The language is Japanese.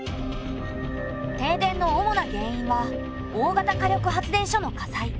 停電の主な原因は大型火力発電所の火災。